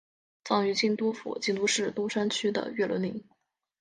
葬于京都府京都市东山区的月轮陵。